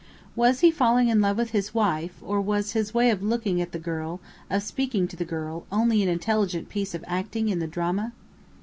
Was he falling in love with his wife, or was his way of looking at the girl, of speaking to the girl, only an intelligent piece of acting in the drama?